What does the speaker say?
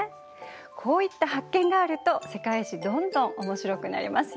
こういった発見があると「世界史」どんどんおもしろくなりますよ。